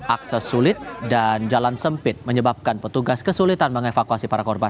akses sulit dan jalan sempit menyebabkan petugas kesulitan mengevakuasi para korban